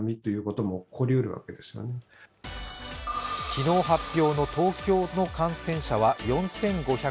昨日発表の東京の感染者は４５６２人。